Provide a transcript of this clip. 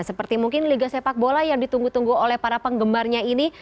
seperti mungkin liga sepak bola yang ditunggu tunggu oleh para penggemarnya ini